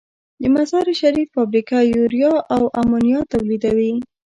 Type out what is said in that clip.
د مزارشریف فابریکه یوریا او امونیا تولیدوي.